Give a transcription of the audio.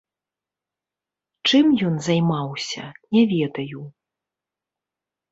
Чым ён займаўся, не ведаю.